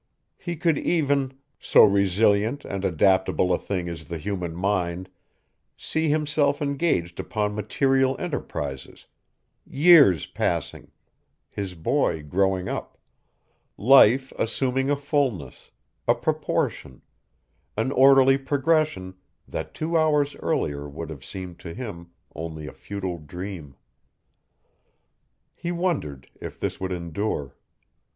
He could even so resilient and adaptable a thing is the human mind see himself engaged upon material enterprises, years passing, his boy growing up, life assuming a fullness, a proportion, an orderly progression that two hours earlier would have seemed to him only a futile dream. He wondered if this would endure.